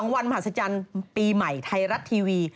๓๒วันมหัสจันทร์ปีใหม่ไทยรัฐทีวี